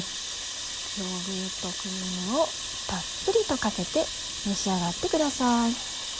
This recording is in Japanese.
ヨーグルトクリームをたっぷりとかけて召し上がってください。